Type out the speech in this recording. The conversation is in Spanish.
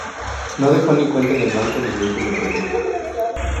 No dejó ni cuenta en el Banco ni vehículo propio.